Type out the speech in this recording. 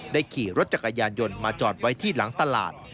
ขี่รถจักรยานยนต์มาจอดไว้ที่หลังตลาด